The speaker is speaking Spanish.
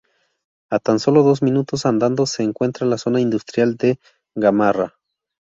A tan solo dos minutos andando se encuentra la zona industrial de Gamarra.